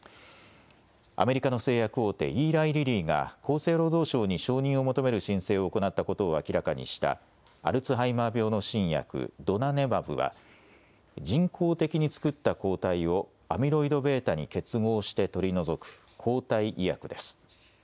アメリカの製薬大手、イーライリリーが厚生労働省に承認を求める申請を行ったことを明らかにしたアルツハイマー病の新薬、ドナネマブは人工的に作った抗体をアミロイドβに結合して取り除く抗体医薬です。